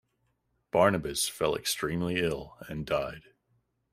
Barnabas fell extremely ill and died.